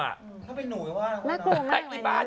จะเป็นหนูไงวะน่ากลงมากว่านี้